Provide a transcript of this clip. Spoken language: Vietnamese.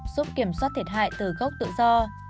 giúp kiểm soát thiệt hại từ gốc tự do